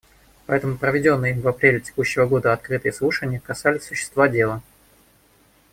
Поэтому проведенные им в апреле текущего года открытые слушания касались существа дела.